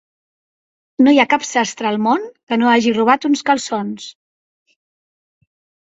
No hi ha cap sastre al món que no hagi robat uns calçons.